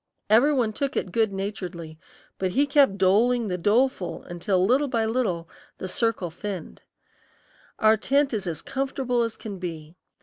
Every one took it good naturedly, but he kept doling the doleful until little by little the circle thinned. Our tent is as comfortable as can be.